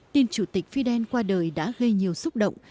tin chủ tịch fidel qua đời đã gây nhiều xúc động